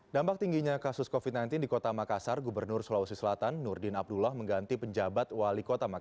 nampak tingginya kasus covid sembilan belas di emm